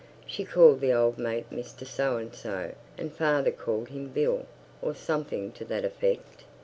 She called the old mate Mr So and so, and father called him Bill, or something to that effect.